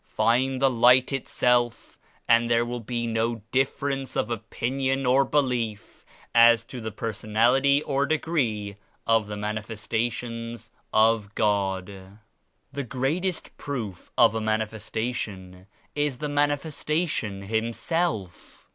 Find the Light Itself and there will be no difference of opinion or belief as to the Personality or De gree of the Manifestations of God." "The greatest proof of a Manifestation is the Manifestation Himself.